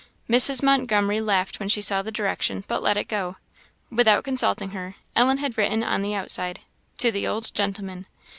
Mrs. Montgomery laughed when she saw the direction, but let it go. Without consulting her, Ellen had written on the outside, "To the old gentleman."